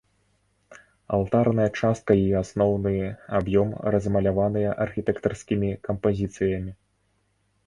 Алтарная частка і асноўны аб'ём размаляваныя архітэктарскімі кампазіцыямі.